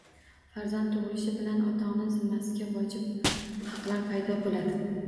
Farzand tug‘ilishi bilan ota-ona zimmasiga vojib haqlar paydo bo‘ladi